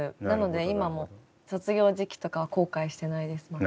なので今も卒業時期とかは後悔してないです